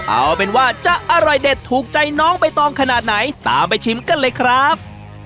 เอาเป็นว่าจะอร่อยเด็ดถูกใจน้องใบตองขนาดไหนตามไปชิมกันเลยครับ